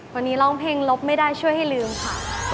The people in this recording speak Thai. วันนี้ร้องเพลงลบไม่ได้ช่วยให้ลืมค่ะ